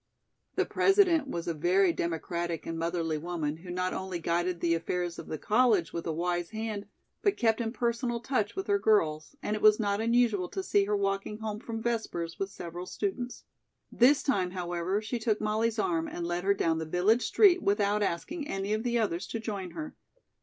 The President was a very democratic and motherly woman who not only guided the affairs of the college with a wise hand, but kept in personal touch with her girls, and it was not unusual to see her walking home from Vespers with several students. This time, however, she took Molly's arm and led her down the village street without asking any of the others to join her.